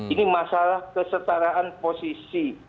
ini masalah kesetaraan posisi